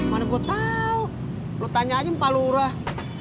mana gua tau lu tanya aja mpa lu urah